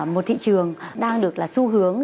một thị trường đang được là xu hướng